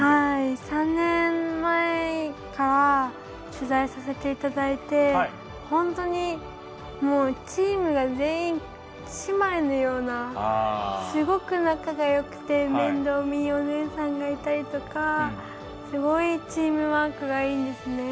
３年前から取材させていただいて本当にチームが全員姉妹のようなすごく仲がよくて面倒見がいいお姉さんがいたりすごいチームワークがいいんですね。